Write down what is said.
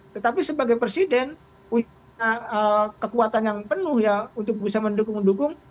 tetapi sebagai presiden punya kekuatan yang penuh ya untuk bisa mendukung mendukung